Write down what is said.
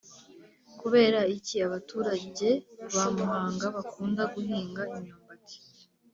Kubera iki abaturage ba muhanga bakunda guhinga imyumbati